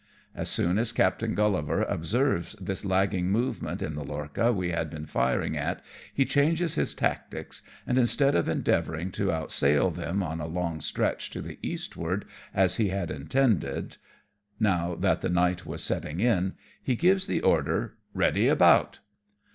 As soon as Captain GuUivar observes this lagging movement in the lorcha we had been firing at, he changes his tactics, and instead of endeavouring to outsail them on a long stretch to the eastward, as he had intended (now that the night was setting in) he gives the order, "Eeady about.''